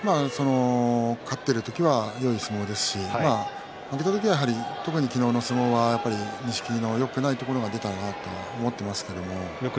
勝っている時はよい相撲ですが負けた時、やはり昨日の相撲は錦木のよくないところが出たなと思っていますけどね。